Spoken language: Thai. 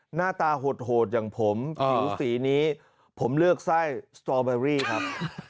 หน้าตาโหดอย่างผมผิวสีนี้ผมเลือกไส้สตอเบอรี่ครับ